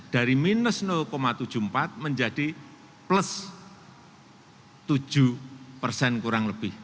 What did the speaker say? dari minus tujuh puluh empat menjadi plus tujuh persen kurang lebih